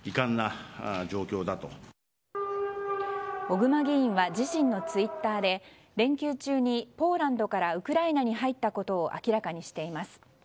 小熊議員は自身のツイッターで連休中にポーランドからウクライナに入ったことを明らかにしています。